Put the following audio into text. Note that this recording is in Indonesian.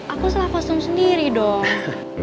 aku salah kosong sendiri dong